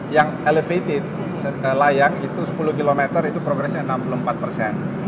yang elevated layang itu sepuluh km itu progresnya enam puluh empat persen